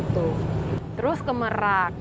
terus ke merak